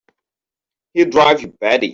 He'll drive you batty!